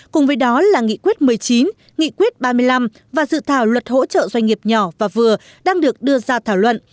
cùng với đó là nghị quyết một mươi chín nghị quyết ba mươi năm và dự thảo luật hỗ trợ doanh nghiệp nhỏ và vừa đang được đưa ra thảo luận